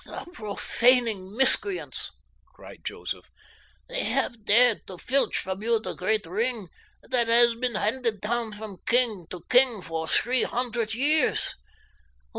"The profaning miscreants!" cried Joseph. "They have dared to filch from you the great ring that has been handed down from king to king for three hundred years.